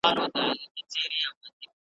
شاعر: ایلا ویلر ویلکا کس .